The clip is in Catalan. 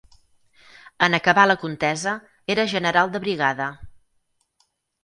En acabar la contesa, era general de brigada.